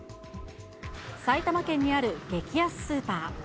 埼玉県にある激安スーパー。